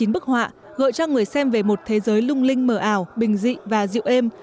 hai mươi chín bức họa gợi cho người xem về một thế giới lung linh mở ảo bình dị và dịu êm